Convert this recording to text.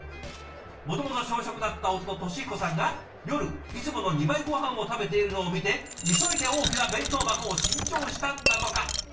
もともと少食だった夫トシヒコさんが夜いつもの２倍ごはんを食べているのを見て急いで大きな弁当箱を新調したんだとか。